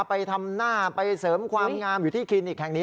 ไปทำหน้าไปเสริมความงามอยู่ที่คลินิกแห่งนี้